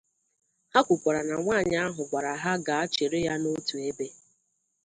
Ha kwukwara na nwaanyị ahụ gwara ha gaa chere ya n'otu ebe